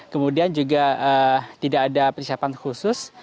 kemudian juga tidak ada persiapan khusus